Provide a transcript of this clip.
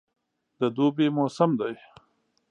د دوبي موسم دی.